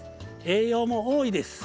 栄養も多いです。